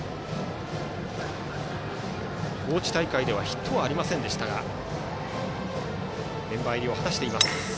高知大会ではヒットはありませんでしたがメンバー入りを果たしています。